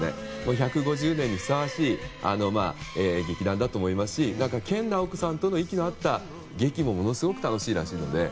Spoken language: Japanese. １５０年にふさわしい劇団だと思いますし研ナオコさんとの息の合った劇も楽しいらしいので。